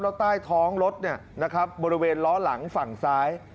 แล้วใต้ท้องรถบริเวณล้อหลังฝั่งซ้าย